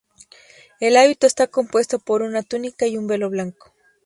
El hábito está compuesto por una túnica y un velo blanco.